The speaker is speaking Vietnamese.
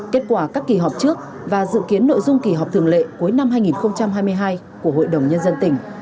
kết quả các kỳ họp trước và dự kiến nội dung kỳ họp thường lệ cuối năm hai nghìn hai mươi hai của hội đồng nhân dân tỉnh